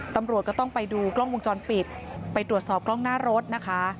ตำรวจก็ต้องไปดูกล้องวงจรปิดไปตรวจสอบกล้องหน้ารถนะคะ